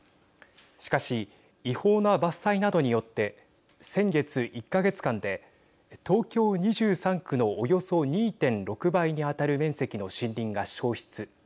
しかし、違法な伐採などによって先月１か月間で東京、２３区のおよそ２．６倍に当たる面積の森林が焼失。